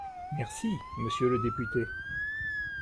Merci, monsieur le député